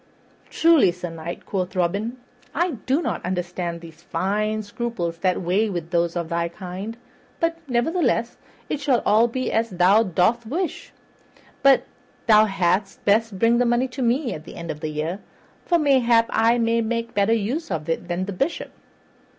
"Truly, Sir Knight," quoth Robin, "I do not understand those fine scruples that weigh with those of thy kind; but, nevertheless, it shall all be as thou dost wish. But thou hadst best bring the money to me at the end of the year, for mayhap I may make better use of it than the Bishop."